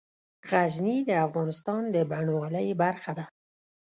غزني د افغانستان د بڼوالۍ برخه ده.